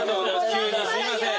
急にすいません。